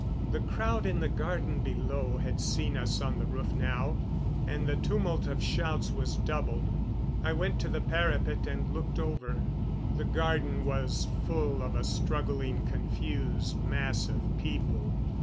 The crowd in the garden below had seen us on the roof now, and the tumult of shouts was doubled. I went to the parapet and looked over. The garden was full of a struggling, confused mass of people.